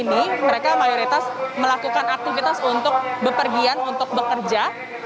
ini mereka mayoritas melakukan aktivitas untuk bepergian untuk bekerja